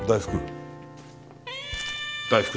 大福。